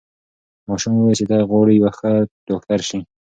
ماشوم وویل چې دی غواړي یو ښه ډاکټر سي.